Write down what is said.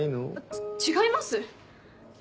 ち違います！